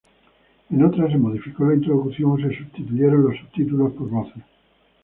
En otras se modificó la introducción o se sustituyeron los subtítulos por voces.